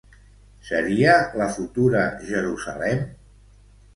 Seria la futura Jerusalem?